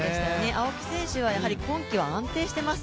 青木選手は今季は安定しています。